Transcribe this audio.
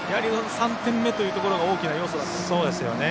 ３点目というところが大きな要素なんですね。